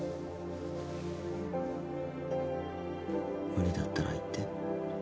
無理だったら言って。